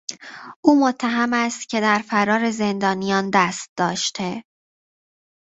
او متهم است که در فرار زندانیان دست داشته.